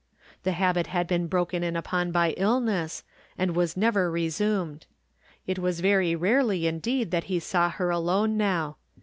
The habit had been broken in upon by illness, and was never re sumed. It was very rarely indeed that he saw her alone now.